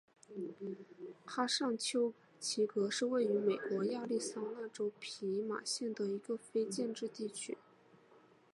哈尚丘奇格是位于美国亚利桑那州皮马县的一个非建制地区。